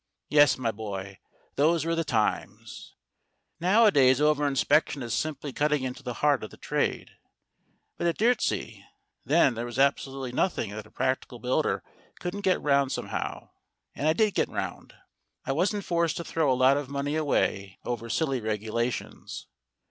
Yes; my boy, those were the times. Nowadays over inspection is simply cutting into the heart of the trade. But at Dyrtisea then there was absolutely nothing that a practical builder couldn't get round somehow, and I did get round. I wasn't forced to throw a lot of money away over silly regulations.